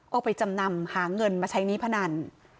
เอาไปจำนำหาเงินมาใช้หนี้พนัน